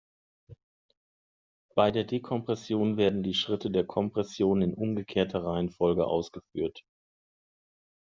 Bei der Dekompression werden die Schritte der Kompression in umgekehrter Reihenfolge ausgeführt.